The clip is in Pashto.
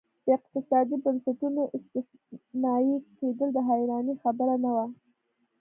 د اقتصادي بنسټونو استثنایي کېدل د حیرانۍ خبره نه وه.